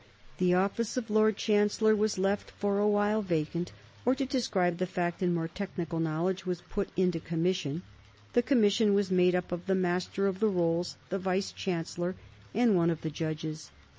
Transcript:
The office of Lord Chancellor was left for a while vacant, or, to describe the fact in more technical language, was put into commission. The commission was made up of the Master of the Rolls, the Vice Chancellor, and one of the Judges.